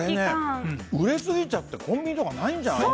これね、売れ過ぎちゃって、コンビニとかないんじゃない？